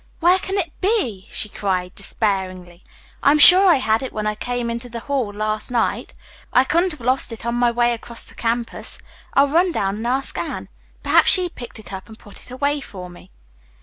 "Where can it be?" she cried despairingly. "I am sure I had it when I came into the hall last night. I couldn't have lost it on my way across the campus. I'll run down and ask Anne. Perhaps she picked it up and put it away for me."